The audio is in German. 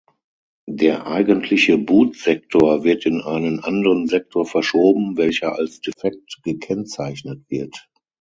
Der eigentliche Boot-Sektor wird in einen anderen Sektor verschoben, welcher als defekt gekennzeichnet wird.